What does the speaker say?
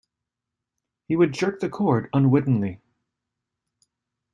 He would jerk the cord unwittingly.